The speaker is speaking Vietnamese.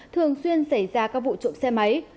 thường xuyên xảy ra các vụ trộm xe máy